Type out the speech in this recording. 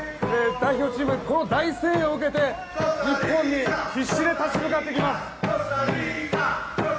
代表チームこの大声援を受けて日本に必死で立ち向かってきます。